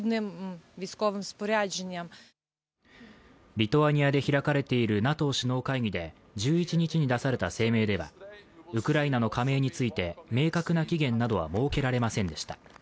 リトアニアで開かれているＮＡＴＯ首脳会議で１１日に出された声明ではウクライナの加盟について明確な期限などは設けられませんでした。